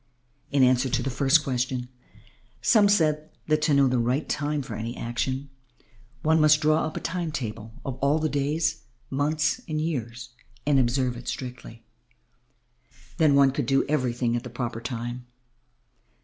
In answer to the first question some said that to know the right time for any action, one must draw up a time table of all the days, months and years and observe it [Illustration: THREE QUESTIONS. To face page 158.] strictly, then one could do everything at the proper time.